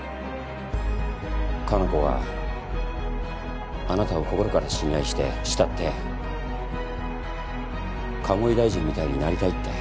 可南子はあなたを心から信頼して慕って鴨井大臣みたいになりたいって。